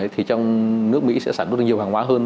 thì trong nước mỹ sẽ sản xuất được nhiều hàng hóa hơn